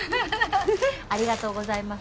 ありがとうございます。